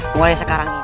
mulai sekarang ini